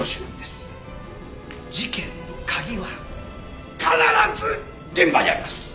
事件の鍵は必ず現場にあります！